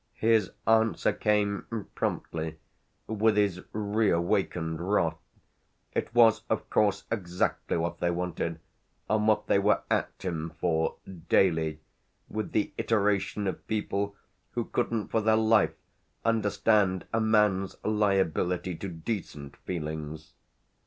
His answer came, promptly, with his re awakened wrath: it was of course exactly what they wanted, and what they were "at" him for, daily, with the iteration of people who couldn't for their life understand a man's liability to decent feelings.